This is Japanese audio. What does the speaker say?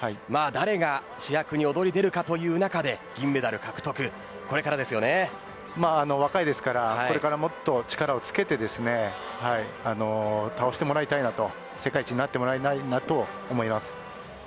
誰が主役に出るかという中で今、若いのでこれからもっと力をつけて倒してもらいたいな世界一になってもらいたいと思います。